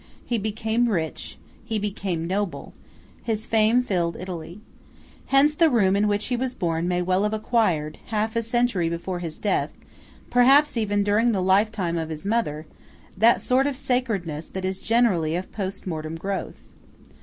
He became rich; he became noble; his fame filled Italy. Hence the room in which he was born may well have acquired, half a century before his death,–perhaps even during the lifetime of his mother–that sort of sacredness that is generally of post mortem growth.